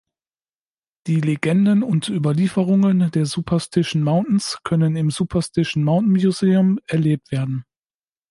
Die Legenden und Überlieferungen der Superstition Mountains können im "Superstition Mountain Museum" erlebt werden.